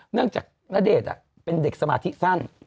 เนื่องจากณเดชน์เป็นเด็กสมาธิสั้น